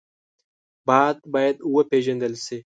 باد باید وپېژندل شي